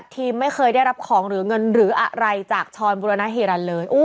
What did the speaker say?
ทีมไม่เคยได้รับของหรือเงินหรืออะไรจากชรบุรณฮิรันดิเลย